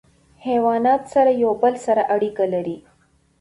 حیوانات سره یو بل سره اړیکه لري.